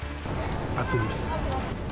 熱いです。